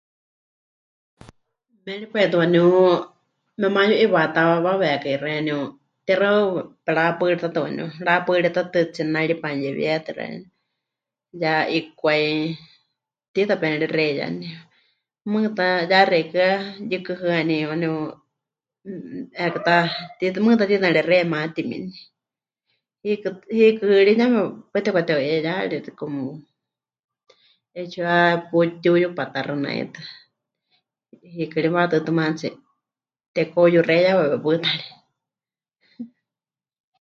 Méripai tɨ waaníu memayu'iwaatáwawekai xeeníu, tixaɨ perapaɨrítatɨ waaníu, rapaɨrítatɨ, tsinari pe'anuyewietɨ xeeníu, ya 'ikwai, tiita pemɨrexeiyani, mɨɨkɨ ta ya xeikɨ́a mɨyukɨhɨaní waaníu, mmm, 'eekɨ ta tiita, mɨɨkɨ ta tiita mɨrexeiya matimini. Hiikɨ... hiikɨ ri yeme paɨ tepɨkateu'iyayaari como, 'eetsiwa pɨtiuyupatáxɨ naitɨ, hiikɨ ri waʼatɨɨ́tɨ maatsi tepɨkaheuyuxeiyawawe pɨta ri.